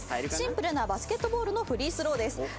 シンプルなバスケットボールのフリースローです。